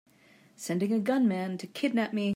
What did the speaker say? Sending a gunman to kidnap me!